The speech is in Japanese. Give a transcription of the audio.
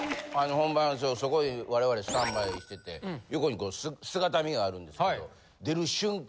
本番そこで我々スタンバイしてて横に姿見があるんですけど出る瞬間